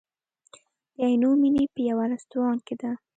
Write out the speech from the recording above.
د عینومېنې په یوه رستورانت کې ده.